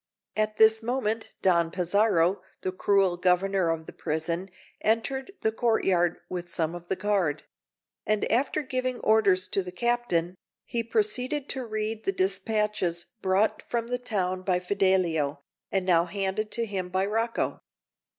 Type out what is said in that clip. At this moment Don Pizarro, the cruel Governor of the prison, entered the courtyard with some of the guard; and, after giving orders to the captain, he proceeded to read the despatches brought from the town by Fidelio, and now handed to him by Rocco.